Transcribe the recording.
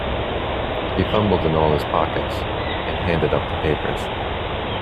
He fumbled in all his pockets, and handed up the papers.